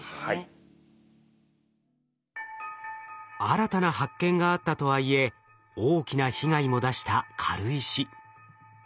新たな発見があったとはいえ大きな被害も出した軽石。